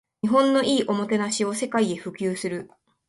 日本の良いおもてなしを世界へ普及する